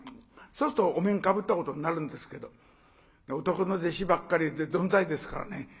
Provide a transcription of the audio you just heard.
そうするとお面かぶったことになるんですけど男の弟子ばっかりでぞんざいですからね